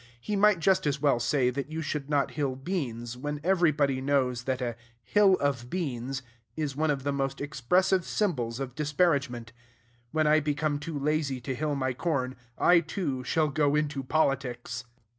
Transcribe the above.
He might just as well say that you should not hill beans, when everybody knows that a "hill of beans" is one of the most expressive symbols of disparagement. When I become too lazy to hill my corn, I, too, shall go into politics.